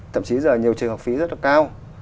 thậm chí giờ nhiều trường học phí rất là cao